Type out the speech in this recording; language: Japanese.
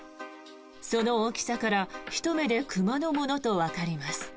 その大きさからひと目で熊のものとわかります。